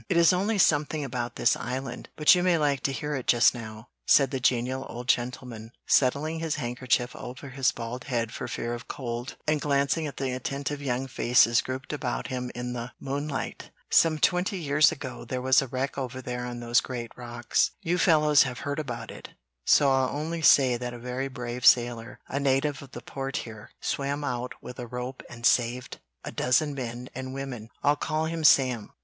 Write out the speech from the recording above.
"It is only something about this island, but you may like to hear it just now," said the genial old gentleman, settling his handkerchief over his bald head for fear of cold, and glancing at the attentive young faces grouped about him in the moonlight. "Some twenty years ago there was a wreck over there on those great rocks; you fellows have heard about it, so I'll only say that a very brave sailor, a native of the Port here, swam out with a rope and saved a dozen men and women. I'll call him Sam.